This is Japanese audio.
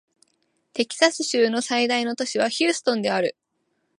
テキサス州の最大都市はヒューストンである